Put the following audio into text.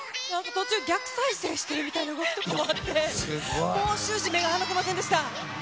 終始、逆再生している動きとかもあって、もう終始、目が離せませんでした。